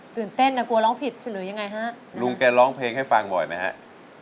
ตื่นเต้นนะกลัวร้องผิดเฉลยยังไงฮะลุงแกร้องเพลงให้ฟังบ่อยไหมฮะ